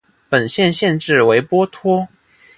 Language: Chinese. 本县县治为波托。